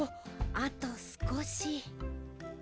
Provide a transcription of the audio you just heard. あとすこし。